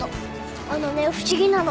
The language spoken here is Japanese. あのね不思議なの。